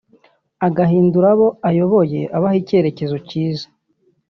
agahindura abo ayoboye abaha icyerecyezo cyiza